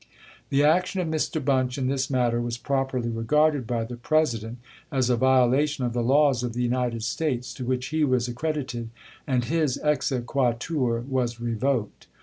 The action of Mr. Bunch in this matter was properly regarded by the President as a violation of the laws of the United States to which he was accredited, and his exequatur was revoked.